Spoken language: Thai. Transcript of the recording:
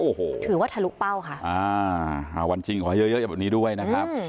โอ้โหถือว่าทะลุเป้าค่ะอ่าวันจริงขอให้เยอะเยอะแบบนี้ด้วยนะครับ